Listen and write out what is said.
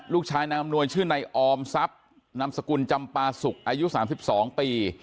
ลูกชายนางอำนวยชื่อนายออมทรัพย์นามสกุลจำปาศุกร์อายุสามสิบสองปี